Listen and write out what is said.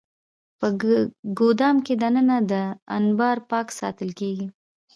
په ګدام کې دننه دا انبار پاک ساتل کېږي.